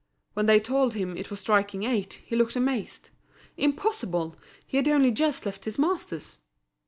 When they told him it was striking eight, he looked amazed. Impossible! He had only just left his master's.